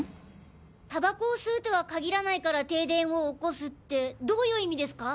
タバコを吸うとはかぎらないから停電を起こすってどういう意味ですか？